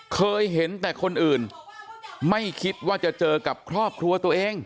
เคยเห็นแต่คนอื่นไม่คิดว่าจะเจอกับครอบครัวตัวเอง